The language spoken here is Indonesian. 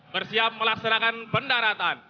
bersiap melaksanakan pendaratan